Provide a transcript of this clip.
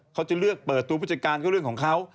เขาจะเลือกเปิดตัวผู้จัดการก็เรื่องของเขา